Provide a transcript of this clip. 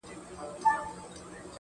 دا سپك هنر نه دى چي څوك يې پــټ كړي,